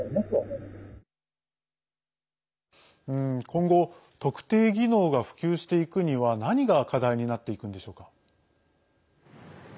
今後特定技能が普及していくには何が課題になっていくんでしょうか。